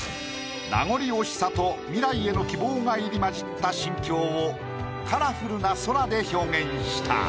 名残惜しさと未来への希望が入り交じった心境をカラフルな空で表現した。